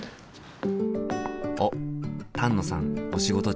おっ丹野さんお仕事中。